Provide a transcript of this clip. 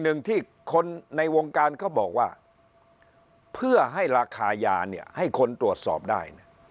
หนึ่งที่คนในวงการเขาบอกว่าเพื่อให้ราคายาเนี่ยให้คนตรวจสอบได้นะ